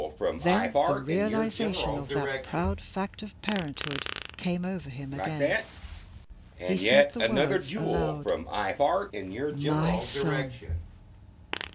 Then the realisation of that proud fact of parenthood came over him again. He said the words aloud, "My son!"